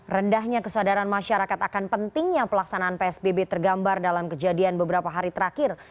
rendahnya kesadaran masyarakat akan pentingnya pelaksanaan psbb tergambar dalam kejadian beberapa hari terakhir